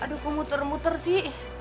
aduh aku muter muter sih